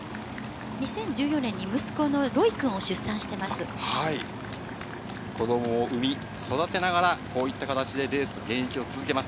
２０１４年の息子のロイ君を子どもを産み、育てながら、こういった形でレース現役を続けます。